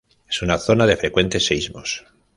Es una zona de frecuentes seísmos.